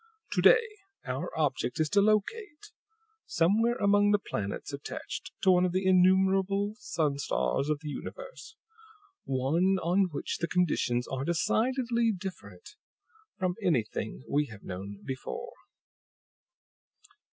To day, our object is to locate, somewhere among the planets attached to one of the innumerable sun stars of the universe, one on which the conditions are decidedly different from anything we have known before."